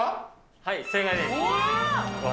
はい、正解です。